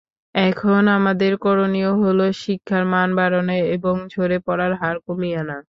এখন আমাদের করণীয় হলো শিক্ষার মান বাড়ানো এবং ঝরে পড়ার হার কমিয়ে আনা।